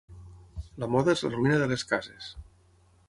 La moda és la ruïna de les cases.